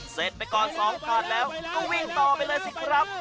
เสร็จไปก่อน๒ถอดแล้วก็วิ่งต่อไปเลยสิครับ